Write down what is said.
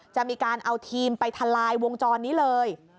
จะมีการเอาทีมไปทลายวงจรนี้เลย